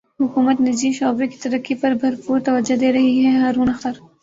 حکومت نجی شعبے کی ترقی پر بھرپور توجہ دے رہی ہے ہارون اختر